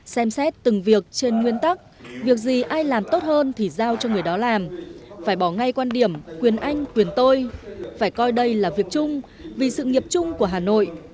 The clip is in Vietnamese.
xem xét từng việc trên nguyên tắc việc gì ai làm tốt hơn thì giao cho người đó làm phải bỏ ngay quan điểm quyền anh quyền tôi phải coi đây là việc chung vì sự nghiệp chung của hà nội